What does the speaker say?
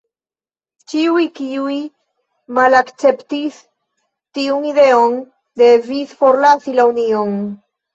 Ĉiuj kiuj malakceptis tiun ideon devis forlasi la union.